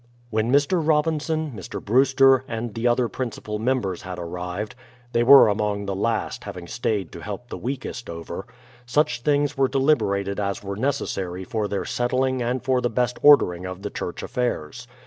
When Mr, Robinson, Mr. Brewster, and the other princi pal members had arrived, — they were among the last, hav ing stayed to help the weakest over, — such things were deliberated as were necessary for their settling and for the best ordering of the church affairs.